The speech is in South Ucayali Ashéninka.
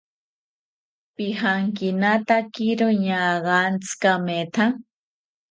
Pijankinatakiro ñaagantzi kametha